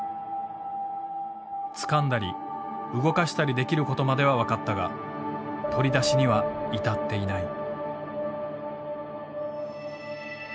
つかんだり動かしたりできることまでは分かったが取り出しには至っていない。